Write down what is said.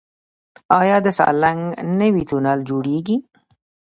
آیا د سالنګ نوی تونل جوړیږي؟